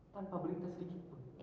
tanpa berita sedikit bu